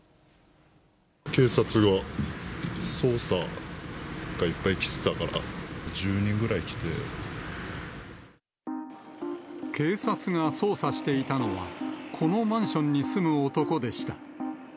警察が捜査がいっぱい来てた警察が捜査していたのは、このマンションに住む男でした。